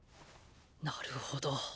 なるほど。